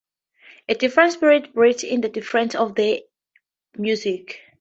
A different spirit breathes in the difference of the music.